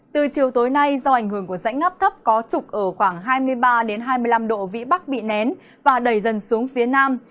từ chiều tối nay do ảnh hưởng của rãnh ngắp thấp có trục ở khoảng hai mươi ba hai mươi năm độ vĩ bắc bị nén và đẩy dần xuống phía nam